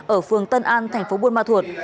ở phương tân an tp bunma thuộc